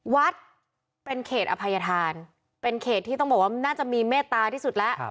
วัดเป็นเขตอภัยธานเป็นเขตที่ต้องบอกว่าน่าจะมีเมตตาที่สุดแล้ว